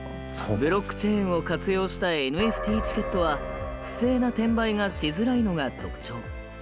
ブロックチェーンを活用したＮＦＴチケットは不正な転売がしづらいのが特徴。